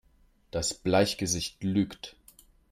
Das Bleichgesicht lügt!